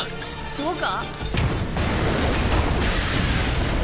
そうか？